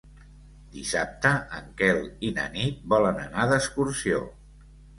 Dissabte en Quel i na Nit volen anar d'excursió.